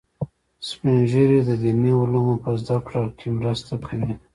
سپین ږیری د دیني علومو په زده کړه کې مرسته کوي